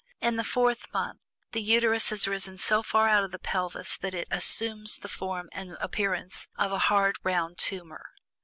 In the fourth month the Uterus has risen so far out of the pelvis that it assumes the form and appearance of a hard round tumor.